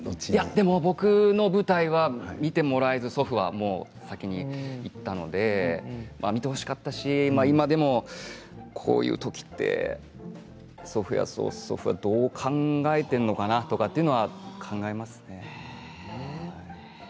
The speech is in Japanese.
僕の舞台は見てもらえず祖父は先に逝ったので見てほしかったし今でもこういう時って祖父や曽祖父はどう考えているのかなって考えますね。